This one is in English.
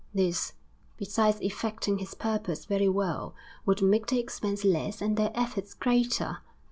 This, besides effecting his purpose very well, would make the expense less and their efforts greater.